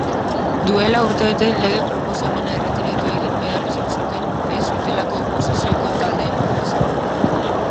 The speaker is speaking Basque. Duela urtebete lege-proposamena erretiratu egin behar izan zuten ez zutelako oposizioko taldeen babesa.